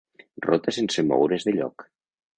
Rota sense moure's de lloc.